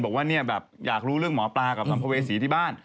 บอกว่าเนี่ยแบบอยากรู้เรื่องหมอปลากับสัมภเวษีที่บ้าน